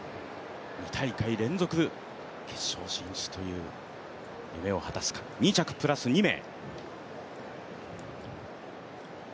２大会連続決勝進出という夢を果たすか、２着プラス２名。